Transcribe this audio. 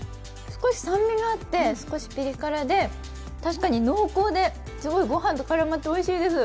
少し酸味があって少しピリ辛で確かに濃厚ですごいご飯と絡まっておいしいです。